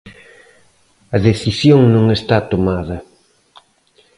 A decisión non está tomada.